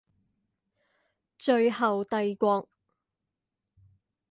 最後帝國